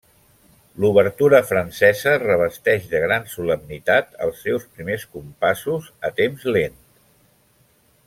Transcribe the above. L'obertura francesa revesteix de gran solemnitat els seus primers compassos a temps lent.